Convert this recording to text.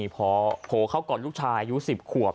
พอเขากอดลูกชายอายุ๑๐ขวบ